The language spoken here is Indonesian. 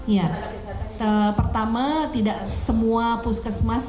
ya pertama tidak semua puskesmas